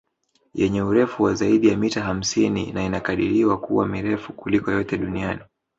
Yenye urefu wa zaidi ya mita hamsini na inakadiliwa kuwa mirefu kuliko yote duniani